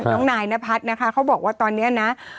น้องนายนพัฒน์นะคะเขาบอกว่าตอนนี้นะ